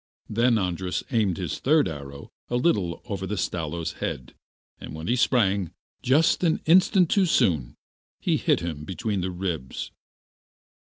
Then Andras aimed his third arrow a little over the Stalo's head, and when he sprang up, just an instant too soon, it hit him between the ribs.